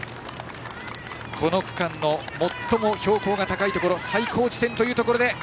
この区間の最も標高が高いところ最高地点というところで。